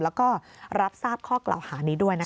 แล้วก็รับทราบข้อกล่าวหานี้ด้วยนะคะ